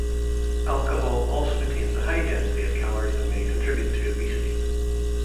Alcohol also contains a high density of calories and may contribute to obesity.